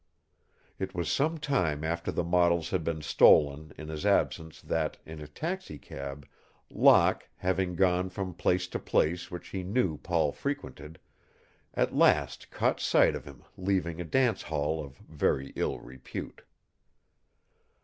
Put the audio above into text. It was some time after the models had been stolen in his absence that, in a taxicab, Locke, having gone from place to place which he knew Paul frequented, at last caught sight of him leaving a dance hall of very ill repute.